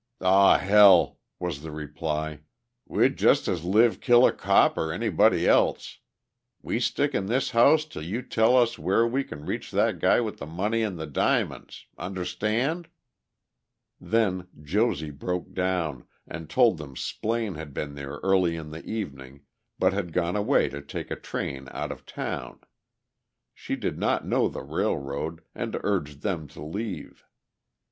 "Aw, hell!" was the reply, "We'd just as lieve kill a cop or anybody else. We stick in this house till you tell us where we can reach that guy with the money and the diamonds—understand?" Then Josie broke down, and told them Splaine had been there early in the evening, but had gone away to take a train out of town. She did not know the railroad, and urged them to leave.